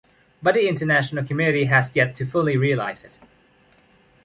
But the international community has yet to fully realize it.